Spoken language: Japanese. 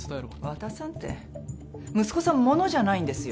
渡さんって息子さんものじゃないんですよ。